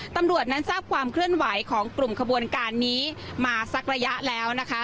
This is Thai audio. ตำรวจนั้นทราบความเคลื่อนไหวของกลุ่มขบวนการนี้มาสักระยะแล้วนะคะ